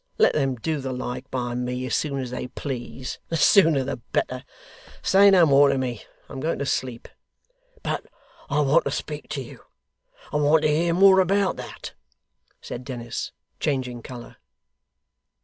Let them do the like by me as soon as they please the sooner the better. Say no more to me. I'm going to sleep.' 'But I want to speak to you; I want to hear more about that,' said Dennis, changing colour.